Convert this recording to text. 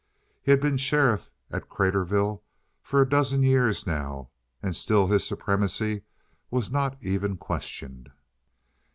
He had been sheriff at Craterville for a dozen years now, and still his supremacy was not even questioned.